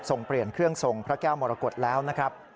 ส่งเปลี่ยนเครื่องทรงพระแก้วมรกฏแล้วนะครับ